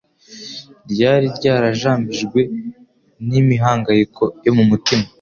ryari ryarajambijwe n'imihangayiko yo mu mutima.